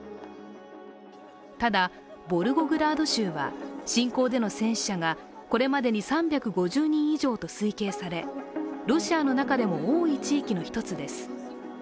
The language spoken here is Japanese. ただ、ボルゴグラード州は侵攻での戦死者がこれまでに３５０人以上と推計されロシアの中でも多い地域の１つです